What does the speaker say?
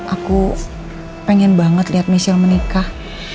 aku pengen banget lihat michelle menikah